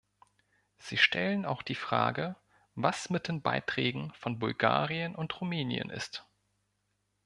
Sie stellen auch die Frage, was mit den Beiträgen von Bulgarien und Rumänien ist.